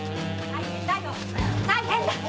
大変だよ！